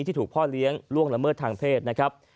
ที่ถูกพ่อเลี้ยงล่วงละเมิดทางเพศนะครับ